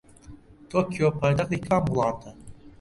تۆکیۆ پایتەختی کام وڵاتە؟